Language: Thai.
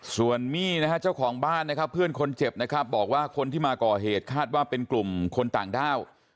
ส่วนมี่เจ้าของบ้านเพื่อนคนเจ็บบอกว่าคนที่มาก่อเหตุคาดว่าเป็นกลุ่มคนต่างด้าว